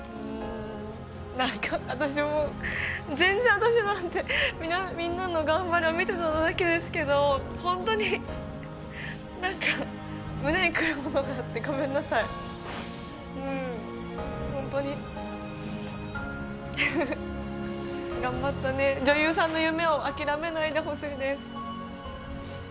何か、私も全然私なんてみんなの頑張りを見てただけですけど、本当になんか胸に来るものがあってごめんなさい、本当に頑張ったね、女優さんの夢を諦めないで欲しいです。